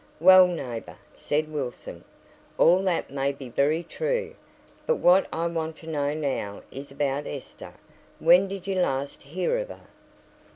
"Well, neighbour," said Wilson, "all that may be very true, but what I want to know now is about Esther when did you last hear of her?"